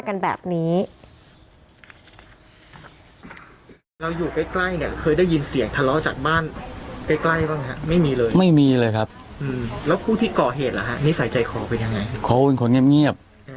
กันแบบนี้